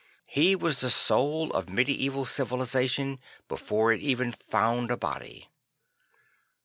He was the soul of medieval civilisation before it even found a body.